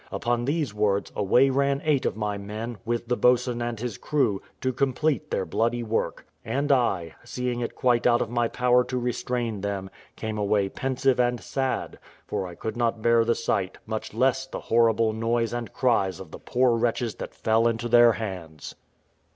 Upon these words, away ran eight of my men, with the boatswain and his crew, to complete their bloody work; and I, seeing it quite out of my power to restrain them, came away pensive and sad; for I could not bear the sight, much less the horrible noise and cries of the poor wretches that fell into their hands.